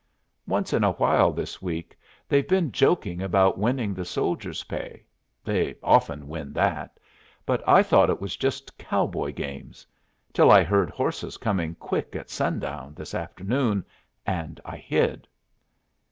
Once in a while this week they've been joking about winning the soldiers' pay they often win that but I thought it was just cowboy games, till I heard horses coming quick at sundown this afternoon, and I hid.